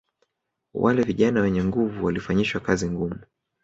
Wale vijana wenye nguvu walifanyishwa kazi ngumu